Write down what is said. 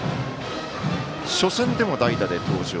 初戦でも代打で登場。